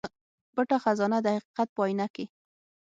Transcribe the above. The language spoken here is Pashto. پټه خزانه د حقيقت په اينه کې